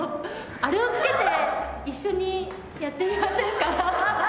あれを着けて一緒にやってみませんか？